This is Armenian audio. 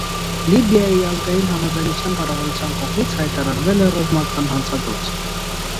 Լիբիայի ազգային համաձայնության կառավարության կողմից հայտարարվել է ռազմական հանցագործ։